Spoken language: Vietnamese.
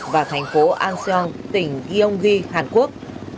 và thành phố an sơn tỉnh gyeonggi hàn quốc